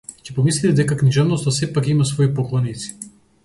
Ќе помислите дека книжевноста сепак има свои поклоници.